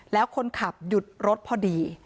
แล้วคนขับหยุดรถพอดี